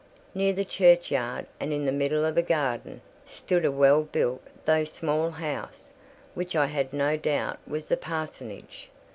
Near the churchyard, and in the middle of a garden, stood a well built though small house, which I had no doubt was the parsonage.